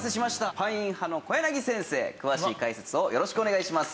パイン派の小柳先生詳しい解説をよろしくお願いします。